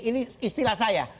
ini istilah saya